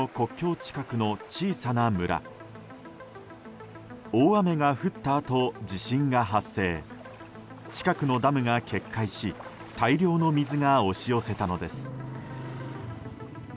近くのダムが決壊し大量の水が押し寄せたのです。